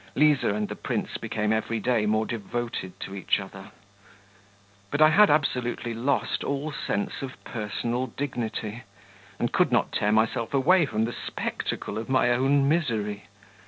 Liza and the prince became every day more devoted to each other ... But I had absolutely lost all sense of personal dignity, and could not tear myself away from the spectacle of my own misery.